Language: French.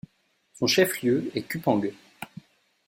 Son chef-lieu est Kupang.